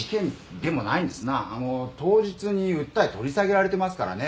あの当日に訴え取り下げられてますからね。